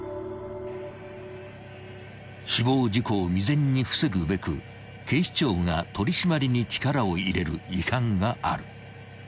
［死亡事故を未然に防ぐべく警視庁が取り締まりに力を入れる違反がある］